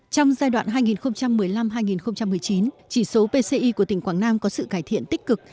trong giai đoạn hai nghìn một mươi năm hai nghìn một mươi chín chỉ số pci của tỉnh quảng nam có sự cải thiện tích cực